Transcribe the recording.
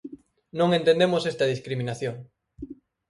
Non entendemos esta discriminación.